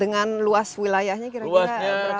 dengan luas wilayahnya kira kira berapa